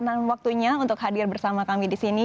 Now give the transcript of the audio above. dan penyakitkan waktunya untuk hadir bersama kami di sini